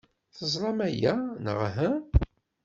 Teẓram aya, neɣ uhu?